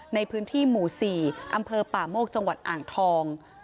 ในพื้นที่หมู่๔อำเภอป่าโมกจังหวัดอ่างทอง